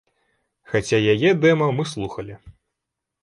Хаця яе дэма мы слухалі.